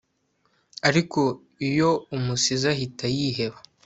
ariko iyo umusize ahita yiheba